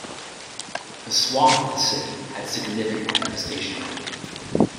An swath of the city had significant devastation.